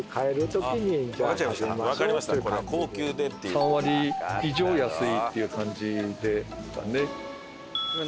３割以上安いっていう感じですかね。